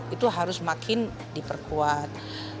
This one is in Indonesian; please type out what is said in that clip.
itu harus makin diperkuat